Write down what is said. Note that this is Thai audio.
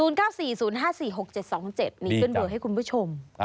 นี่ขึ้นเบอร์ให้คุณผู้ชม